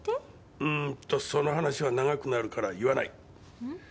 うーんとその話は長くなるから言わない。